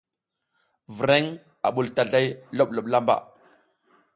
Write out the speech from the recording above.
Vreŋ a ɓul tazlay loɓloɓ lamba.